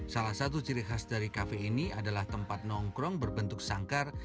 salah satu ciri khas dari kafe ini adalah tempat nongkrong berbentuk sangkar